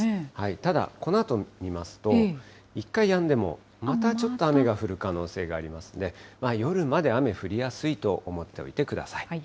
ただ、このあと見ますと、一回やんでも、またちょっと雨が降る可能性がありますので、夜まで雨降りやすいと思っておいてください。